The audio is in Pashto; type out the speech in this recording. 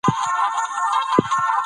ځمکه ميلياردونو کلونو کې جوړه شوې.